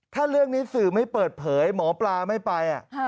ถ้าเรื่องนี้สื่อไม่เปิดเผยหมอปลาไม่ไป